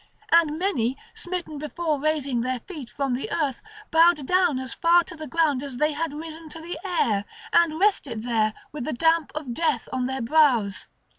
And many, smitten before raising their feet from the earth, bowed down as far to the ground as they had risen to the air, and rested there with the damp of death on their brows.